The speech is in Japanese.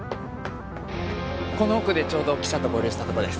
この奥でちょうど記者と合流したとこです。